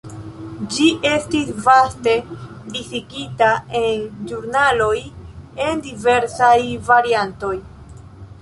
Ĝi estis vaste disigita en ĵurnaloj en diversaj variantoj.